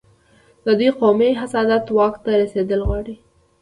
د دوی قومي حسادت واک ته رسېدل غواړي.